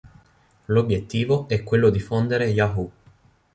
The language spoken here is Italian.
L'obiettivo è quello di fondere Yahoo!